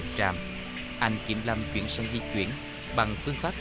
cò trắng cò quắm cò bợ cò liền cò lửa cò ốc